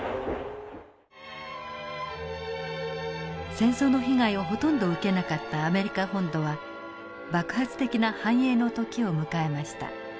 戦争の被害をほとんど受けなかったアメリカ本土は爆発的な繁栄の時を迎えました。